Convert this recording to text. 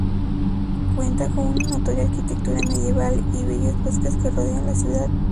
Cuenta con una notoria arquitectura medieval y bellos bosques que rodean la ciudad.